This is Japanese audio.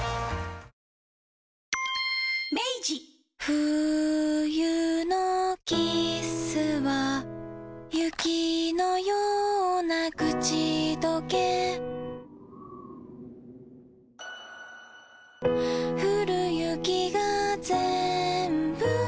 冬のキッスは雪のようなくちどけふる雪がぜんぶ